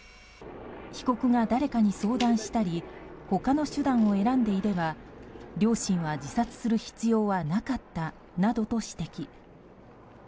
被告が誰かに相談したり他の手段を選んでいれば両親は自殺する必要はなかったなどと指摘。